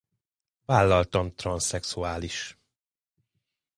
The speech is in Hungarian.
Vállaltan transzszexuális.